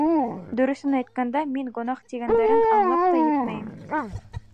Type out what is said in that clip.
Дөрөҫөн әйткәндә, мин гонаһ тигәндәрен аңлап та етмәйем.